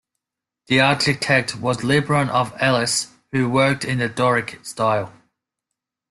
The architect was Libon of Elis, who worked in the Doric style.